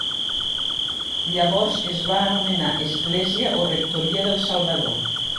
Llavors es va anomenar església o rectoria del Salvador.